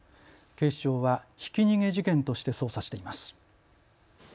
警視庁はひき逃げ事件として捜査しています。